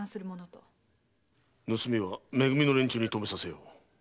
盗みはめ組の連中に止めさせよう。